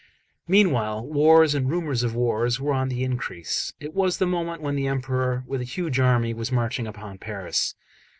Meanwhile wars and rumours of wars were on the increase; it was the moment when the Emperor with a huge army was marching upon Paris.